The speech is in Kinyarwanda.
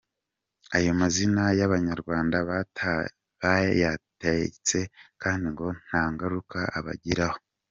Ayo mazi bayanywa batayatetse kandi ngo nta ngaruka abagiraho.